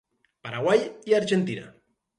Paraguai i Argentina.